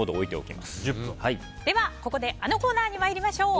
ではここで、あのコーナーにまいりましょう。